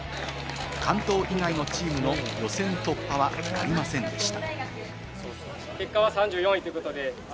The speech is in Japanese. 関東以外のチームも予選突破はなりませんでした。